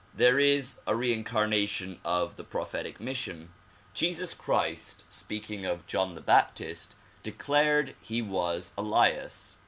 There is a reincarnation of the prophetic mission. Jesus Christ speaking of John the Baptist, declared he was Elias.